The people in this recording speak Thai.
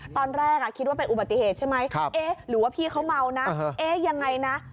ตอนแรกคิดว่าเป็นอุบัติเหตุใช่ไหมเอ๊ะหรือว่าพี่เขาเมานะเอ๊ะยังไงนะ